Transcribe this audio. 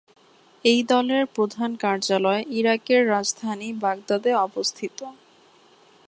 এই দলের প্রধান কার্যালয় ইরাকের রাজধানী বাগদাদে অবস্থিত।